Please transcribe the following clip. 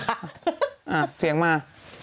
เหลือเสียงมา